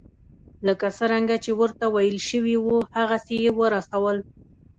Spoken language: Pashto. لکه څرنګه چې ورته ویل شوي وو هغسې یې ورسول.